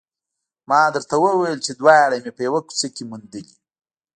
ما درته وویل چې دواړه مې په یوه کوڅه کې موندلي